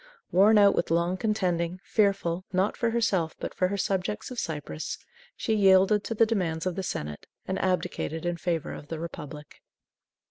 Worn out with long contending, fearful, not for herself but for her subjects of Cyprus, she yielded to the demands of the senate, and abdicated in favor of the Republic.